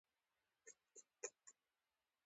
درې شپیتم سوال د قرارداد شرایط دي.